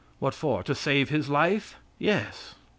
What for? To save his life? Yes.